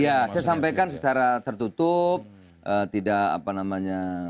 ya saya sampaikan secara tertutup tidak apa namanya